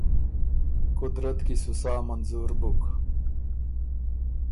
قدرت کی سو سا منظور بُک۔